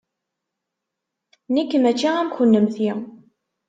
Nekk maci am kennemti!